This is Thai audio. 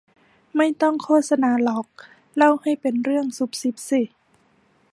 ไม่ต้องโฆษณาหรอก เล่าให้เป็นเรื่องซุบซิบสิ